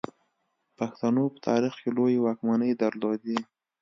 پښتنو په تاریخ کې لویې واکمنۍ درلودې